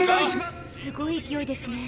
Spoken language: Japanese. すごい勢いですね。